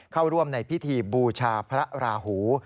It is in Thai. เข้าร่วมในพิธีบูชาพระราหู